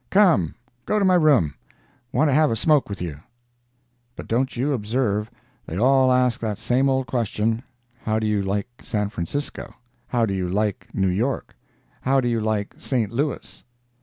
—Come, go to my room; want to have a smoke with you." But, don't you observe, they all ask that same old question: "How do you like San Francisco?—How do you like New York?—How do you like St. Louis?"